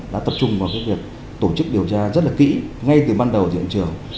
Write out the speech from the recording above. đã tập trung vào việc tổ chức điều tra rất là kỹ ngay từ ban đầu tại hiện trường